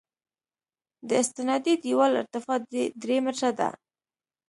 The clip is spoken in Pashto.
د استنادي دیوال ارتفاع درې متره ده